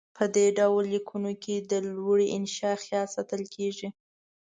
په دې ډول لیکنو کې د لوړې انشاء خیال ساتل کیږي.